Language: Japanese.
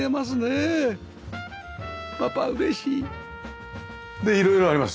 パパ嬉しいで色々あります